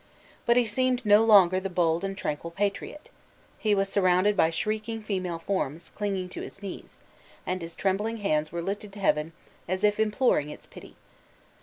But he seemed no longer the bold and tranquil patriot. He was surrounded by shrieking female forms, clinging to his knees; and his trembling hands were lifted to heaven, as if imploring its pity.